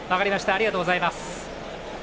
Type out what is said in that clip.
ありがとうございます。